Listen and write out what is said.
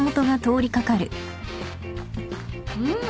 うん。